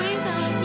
atau kamu ngidam